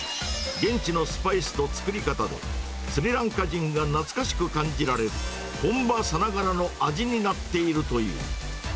現地のスパイスと作り方で、スリランカ人が懐かしく感じられる、本場さながらの味になっているという。